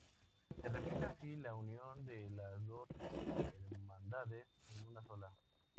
Se refleja así la unión de las dos hermandades en una sola.